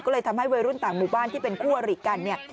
ก็เลยทำให้วัยรุ่นต่างหมู่บ้านที่เป็นคั่วหลีกัน